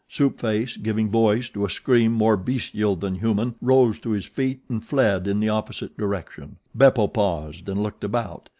Soup Face, giving voice to a scream more bestial than human, rose to his feet and fled in the opposite direction. Beppo paused and looked about.